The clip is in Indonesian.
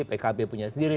pkb punya sendiri